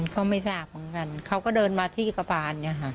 เขาไม่ทราบเหมือนกันเขาก็เดินมาที่กระพาน